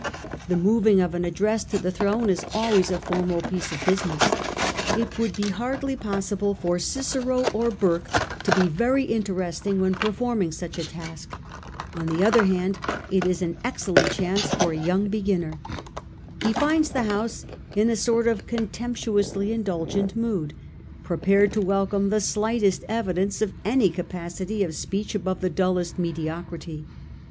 The moving of an address to the throne is always a formal piece of business. It would be hardly possible for Cicero or Burke to be very interesting when per forming such a task. On the other hand, it is an ex cellent chance for a young beginner. He finds the House in a sort of contemptuously indulgent mood, prepared to welcome the slightest evidence of any ca pacity of speech above the dullest mediocrity.